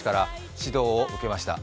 指導を受けました